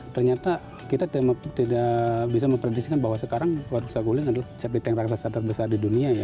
ternyata kita tidak bisa memperhatikan bahwa sekarang waduk saguling adalah sepeteng raksasa terbesar di dunia